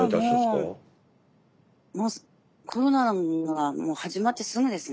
もうコロナがもう始まってすぐですね。